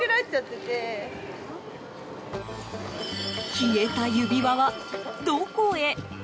消えた指輪はどこへ？